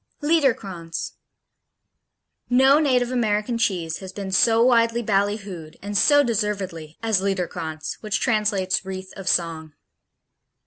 Liederkranz No native American cheese has been so widely ballyhooed, and so deservedly, as Liederkranz, which translates "Wreath of Song."